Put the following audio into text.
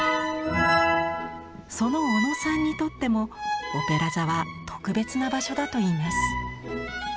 その小野さんにとってもオペラ座は特別な場所だといいます。